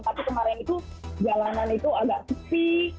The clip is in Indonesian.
tapi kemarin itu jalanan itu agak sepi